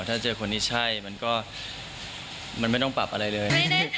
ถ้าเจอคนที่ใช่มันก็มันไม่ต้องปรับอะไรเลย